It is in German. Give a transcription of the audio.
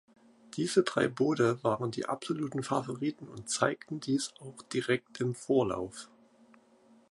Diese drei Boote waren die absoluten Favoriten und zeigten dies auch direkt im Vorlauf.